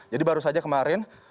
jadi baru saja kemarin